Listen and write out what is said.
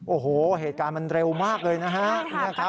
โอ้โหเหตุการณ์มันเร็วมากเลยนะฮะ